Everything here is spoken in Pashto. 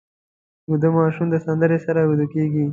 ویده ماشوم د سندرې سره ویده کېږي